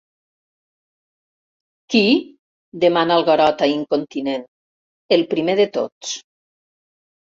Qui? —demana el Garota, incontinent; el primer de tots.